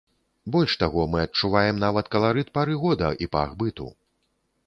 Больш таго, мы адчуваем нават каларыт пары года і пах быту.